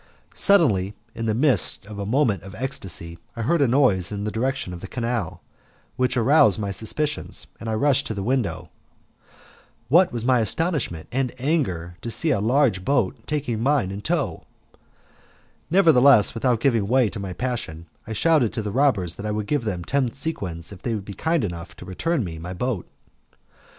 Suddenly, in the midst of a moment of ecstasy, I heard a noise in the direction of the canal, which aroused my suspicions, and I rushed to the window. What was my astonishment and anger to see a large boat taking mine in tow! Nevertheless, without giving way to my passion, I shouted to the robbers that I would give them ten sequins if they would be kind enough to return me my boat.